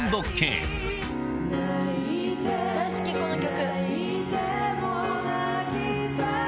大好きこの曲。